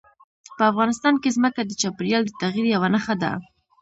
په افغانستان کې ځمکه د چاپېریال د تغیر یوه نښه ده.